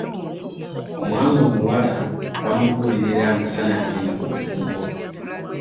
Omwana omuwala bamubulirira nga tanagenda mu bufumbo.